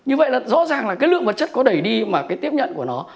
như vậy là rõ ràng là cái lượng vật chất có đẩy đi mà cái tiếp nhận của nó